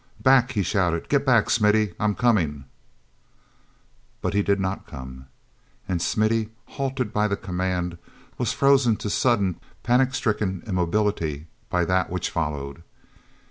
"Back!" he shouted. "Get back, Smithy! I'm coming—" But he did not come; and Smithy, halted by the command, was frozen to sudden, panic stricken immobility by that which followed.